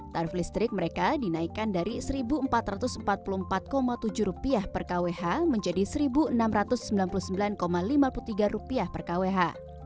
tarif listrik mereka dinaikkan dari rp satu empat ratus empat puluh empat tujuh per kwh menjadi rp satu enam ratus sembilan puluh sembilan lima puluh tiga per kwh